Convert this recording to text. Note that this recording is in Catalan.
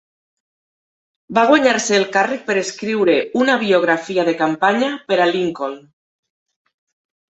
Va guanyar-se el càrrec per escriure una biografia de campanya per a Lincoln.